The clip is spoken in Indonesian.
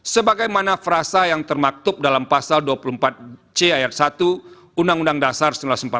sebagaimana frasa yang termaktub dalam pasal dua puluh empat c ayat satu undang undang dasar seribu sembilan ratus empat puluh lima